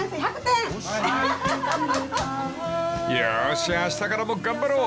［よーしあしたからも頑張ろう！